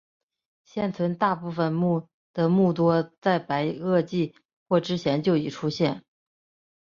现存大部分的目多在白垩纪或之前就已出现。